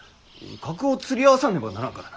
格を釣り合わさねばならんからな。